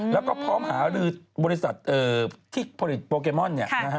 แล้วก็พร้อมหารือบริษัทที่ผลิตโปเกมอน